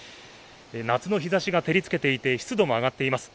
夏の日ざしが照りつけていて湿度も上がっています。